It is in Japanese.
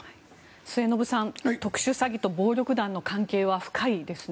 末延さん、特殊詐欺と暴力団の関係は深いですね。